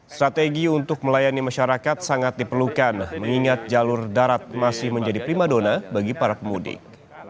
strategi untuk melayani masyarakat sangat diperlukan mengingat jalur darat masih menjadi prima dona bagi para pemudik